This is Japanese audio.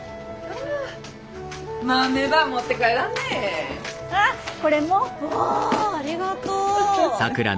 わあありがとう。